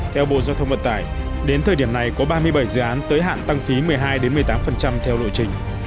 theo bộ giao thông vận tải đến thời điểm này có ba mươi bảy dự án tới hạn tăng phí một mươi hai một mươi tám theo lộ trình